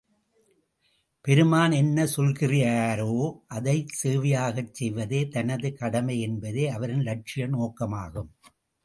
பெருமான் என்ன சொல்கிறாரோ, அதைச் சேவையாகச் செய்வதே தனது கடமை என்பதே அவரின் லட்சிய நோக்கமாகும்.